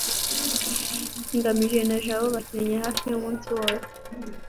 ngamije na jabo bakinnye hafi umunsi wose